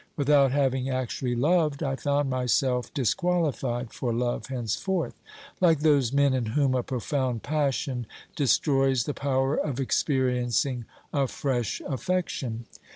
Without having actually loved, I found myself disqualified for love henceforth, like those men in whom a profound passion destroys the power of experiencing a fresh affection.